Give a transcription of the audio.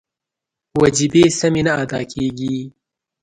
وجیبې سمې نه ادا کېږي.